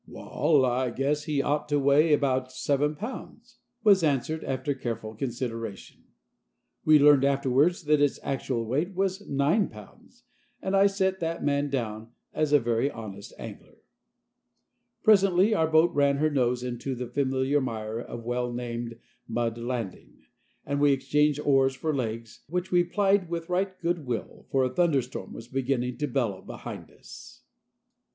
"Wal, I guess he ought to weigh abaout seven pounds," was answered, after careful consideration. We learned afterwards that its actual weight was nine pounds, and I set that man down as a very honest angler. Presently our boat ran her nose into the familiar mire of well named Mud Landing, and we exchanged oars for legs, which we plied with right good will, for a thunderstorm was beginning to bellow behind us.